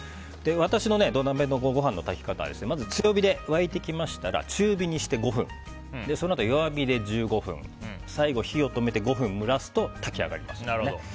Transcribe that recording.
私の土鍋のご飯の炊き方はまず、強火で沸いてきましたら中火にして５分そのあと弱火で１５分最後、火を止めて５分蒸らすと炊き上がります。